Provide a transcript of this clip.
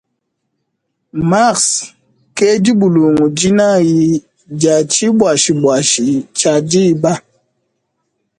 Mars ke dibulungu dinayi dia tshibuashibuashi tshia diba.